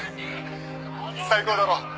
「最高だろ？」